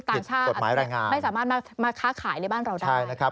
ผิดสัตว์หมายรายงานนะครับใช่นะครับต่างชาติไม่สามารถมาค้าขายในบ้านเราได้